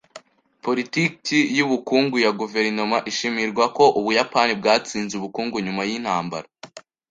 Politiki y’ubukungu ya guverinoma ishimirwa ko Ubuyapani bwatsinze ubukungu nyuma y’intambara.